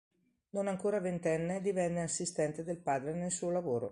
Non ancora ventenne, divenne assistente del padre nel suo lavoro.